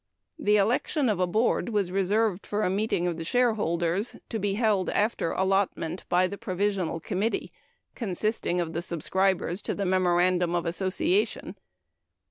The election of a board was reserved for a meeting of shareholders, to be held after allotment by the provisional committee, consisting of the subscribers to the Memorandum of Association.